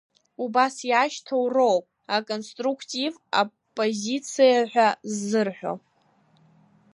Убас иашьҭоу роуп аконструктив оппозициа ҳәа ззырҳәо.